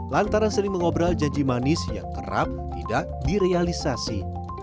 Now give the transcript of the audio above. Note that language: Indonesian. lantaran sering mengobrol janji manis yang kerap tidak direalisasi